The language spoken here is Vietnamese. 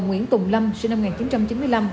nguyễn tùng lâm sinh năm một nghìn chín trăm chín mươi năm